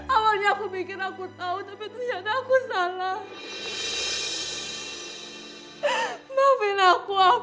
awalnya aku mikir aku tau tapi ternyata aku salah